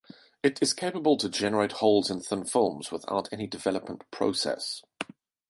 It is capable to generate holes in thin films without any development process.